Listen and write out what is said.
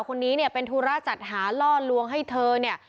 คนนี้เนี่ยเป็นธุระจัดหาล่อลวงให้เธอเนี่ย